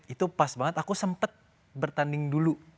itu pas banget aku sempet bertanding dulu